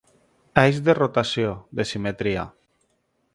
Eix de rotació, de simetria.